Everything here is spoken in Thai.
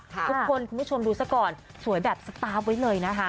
คุณผู้ชมดูซะก่อนสวยแบบสตาร์ฟไว้เลยนะคะ